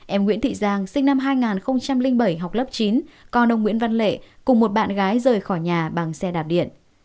em nguyễn thị giang sinh năm hai nghìn bảy học lớp chín con ông nguyễn văn lệ cùng một bạn gái rời khỏi nhà bằng xe đạp điện